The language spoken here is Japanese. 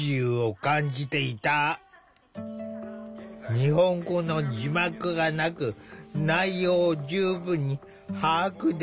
日本語の字幕がなく内容を十分に把握できなかったのだ。